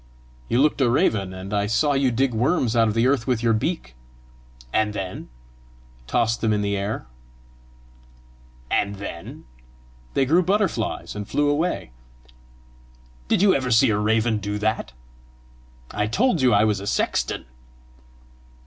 "You looked a raven, and I saw you dig worms out of the earth with your beak." "And then?" "Toss them in the air." "And then?" "They grew butterflies, and flew away." "Did you ever see a raven do that? I told you I was a sexton!"